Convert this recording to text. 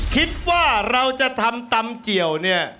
คิดว่าเราจะทำตำเกี่ยวเนี่ย